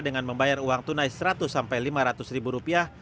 dengan membayar uang tunai seratus sampai lima ratus ribu rupiah